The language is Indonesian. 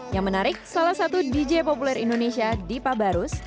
yang menarik salah satu dj populer indonesia dipa barus